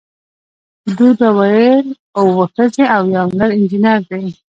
دوی به ویل اوه ښځې او یو نر انجینر دی.